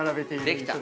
できた。